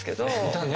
歌ね。